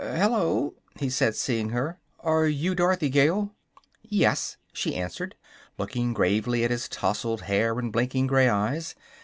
"Hello!" he said, seeing her, "are you Dorothy Gale?" "Yes," she answered, looking gravely at his tousled hair and blinking gray eyes.